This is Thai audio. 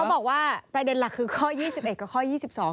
บอกว่าประเด็นหลักคือข้อ๒๑กับข้อ๒๒